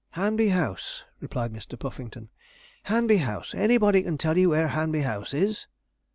'Hanby House,' replied Mr. Puffington; 'Hanby House anybody can tell you where Hanby House is.'